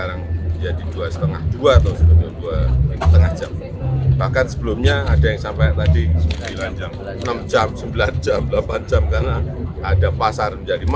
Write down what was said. anggota komisi lima gri